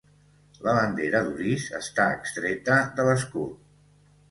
La bandera d'Orís està extreta de l'escut.